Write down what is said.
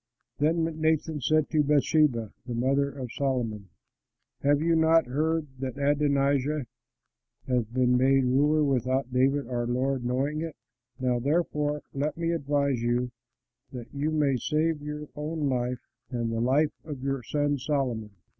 Then Nathan said to Bathsheba the mother of Solomon, "Have you not heard that Adonijah has been made ruler without David our lord knowing it? Now, therefore, let me advise you that you may save your own life and the life of your son Solomon.